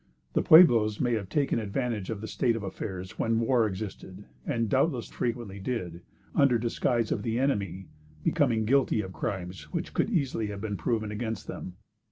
The Pueblos may have taken advantage of the state of affairs when war existed, and doubtless frequently did, under disguise of the enemy, become guilty of crimes which could easily have been proven against them.